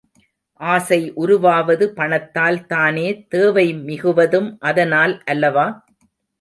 ஆசை உருவாவது பணத்தால் தானே தேவை மிகுவதும் அதனால் அல்லவா?